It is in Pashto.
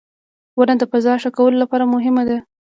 • ونه د فضا ښه کولو لپاره مهمه ده.